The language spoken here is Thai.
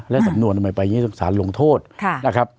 และสำนวนทำไมไปอย่างนี้สารลงโทษนะครับ